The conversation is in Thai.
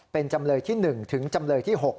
เป็นจำเลยที่๑ถึงจำเลยที่๖